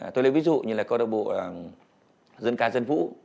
tôi lấy ví dụ như là câu lạc bộ dân ca dân vũ